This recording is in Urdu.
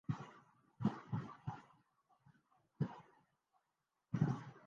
کوئی نئی کتاب مارکیٹ میں آتی تھی۔